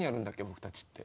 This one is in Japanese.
僕たちって。